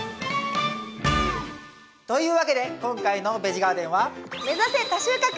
というわけで今回の「ベジガーデン」は。